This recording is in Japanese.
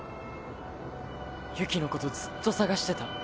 ユキのことずっと捜してた。